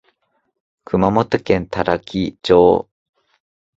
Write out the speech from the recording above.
熊本県多良木町